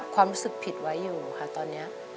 ความรู้สึกผิดไว้อยู่ค่ะตอนนี้